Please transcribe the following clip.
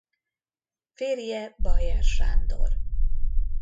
Férje Bayer Sándor.